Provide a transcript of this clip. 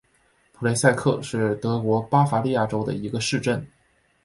普雷塞克是德国巴伐利亚州的一个市镇。